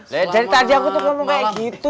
dari tadi aku tuh ngomong kayak gitu